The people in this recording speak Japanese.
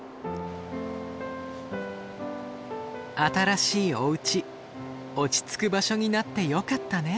新しいおうち落ち着く場所になってよかったね。